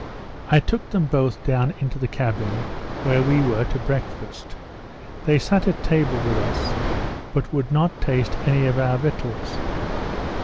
I took them both down into the cabin, where we were to breakfast. They sat at table with us, but would not taste any of our victuals.